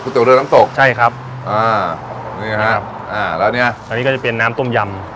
เตี๋เรือน้ำตกใช่ครับอ่านี่ครับอ่าแล้วเนี้ยอันนี้ก็จะเป็นน้ำต้มยำ